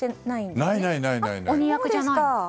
ないない！